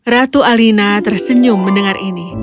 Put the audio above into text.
ratu alina tersenyum mendengar ini